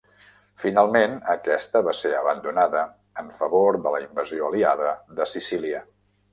Finalment, aquesta va ser abandonada en favor de la invasió aliada de Sicília.